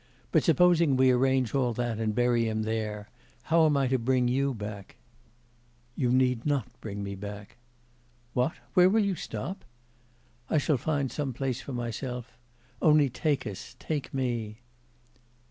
But supposing we arrange all that and bury him there, how am I to bring you back?' 'You need not bring me back.' 'What? where will you stop?' 'I shall find some place for myself; only take us, take me.